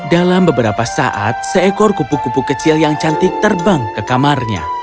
dalam beberapa saat seekor kupu kupu kecil yang cantik terbang ke kamarnya